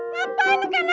ngapain lu kena